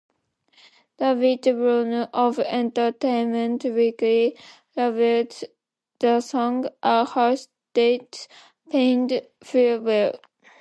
David Browne of "Entertainment Weekly" labeled the song "a haunted, pained farewell".